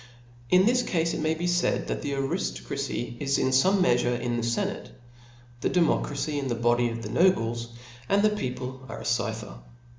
In this cafe it may be faid, that the ariftocracy is in feme meafure in the fenate, the democracy in. the body of the nobles, and the people are a cypher.